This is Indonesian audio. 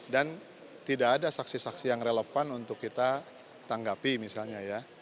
dan tidak ada saksi saksi yang relevan untuk kita tanggapi misalnya ya